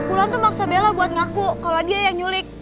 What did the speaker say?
ulan tuh maksa bella buat ngaku kalo dia yang nyulik